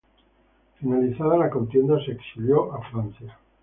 Finalizada la contienda se exilió en Francia.